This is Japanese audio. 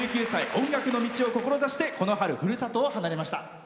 音楽の道を志してこの春、ふるさとを離れました。